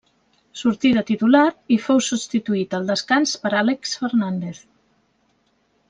Sortí de titular i fou substituït al descans per Àlex Fernández.